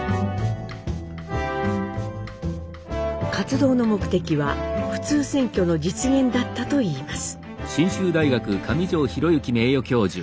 活動の目的は普通選挙の実現だったといいます。